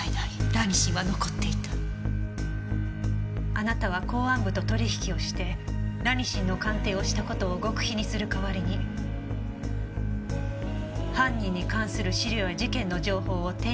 あなたは公安部と取引をしてラニシンの鑑定をした事を極秘にする代わりに犯人に関する資料や事件の情報を手に入れたのですか？